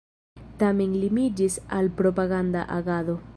Tamen limiĝis al propaganda agado.